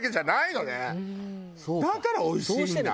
だからおいしいんだ。